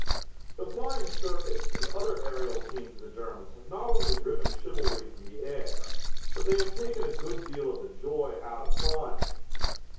The Flying Circus and other aerial teams of the Germans have not only driven chivalry from the air, but they have taken a good deal of the joy out of flying.